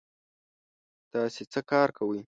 تاسې څه کار کوی؟